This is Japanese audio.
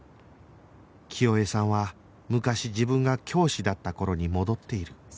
清江さんは昔自分が教師だった頃に戻っている